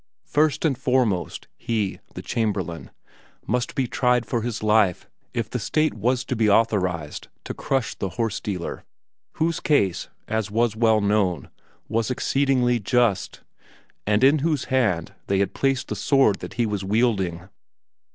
First and foremost, he, the Chamberlain, must be tried for his life if the state was to be authorized to crush the horse dealer, whose case, as was well known, was exceedingly just, and in whose hand they had placed the sword that he was wielding.